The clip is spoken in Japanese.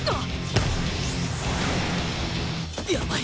やばい！